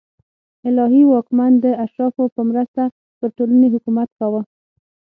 الهي واکمن د اشرافو په مرسته پر ټولنې حکومت کاوه